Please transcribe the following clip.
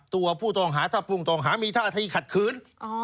ตัวผู้ต้องหาถ้าผู้ต้องหามีท่าที่ขัดขืน